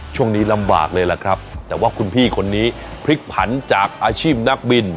ช่วงนี้ลำบากเลยล่ะครับแต่ว่าคุณพี่คนนี้พลิกผันจากอาชีพนักบิน